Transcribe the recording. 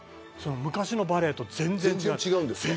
昔のバレーと全然違う。